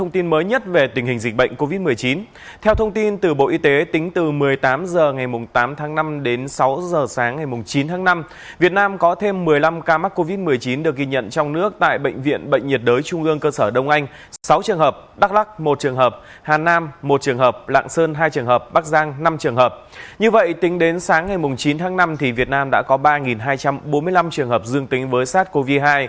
tính đến sáng ngày chín tháng năm việt nam đã có ba hai trăm bốn mươi năm trường hợp dương tính với sars cov hai